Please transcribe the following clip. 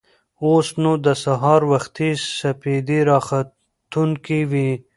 اوس نو د سهار وختي سپېدې راختونکې وې.